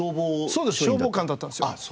そうです消防官だったんですよ。